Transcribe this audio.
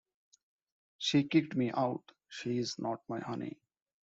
She kicked me out, she's not my honey.